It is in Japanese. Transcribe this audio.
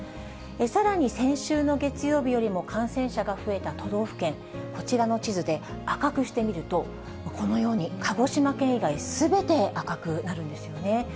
さらに先週の月曜日よりも感染者が増えた都道府県、こちらの地図で赤くしてみると、このように、鹿児島県以外すべて赤くなるんですよね。